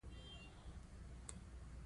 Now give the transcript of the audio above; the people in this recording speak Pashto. بادرنګ له کیمیاوي موادو پاک وي.